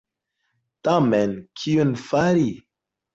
Tamen kion fari?